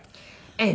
ええ。